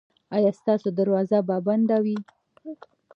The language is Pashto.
ایا ستاسو دروازه به بنده وي؟